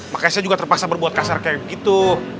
makanya saya juga terpaksa berbuat kasar kayak gitu